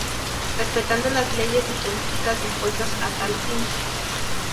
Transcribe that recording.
Respetando las leyes y política dispuestas a tal fin.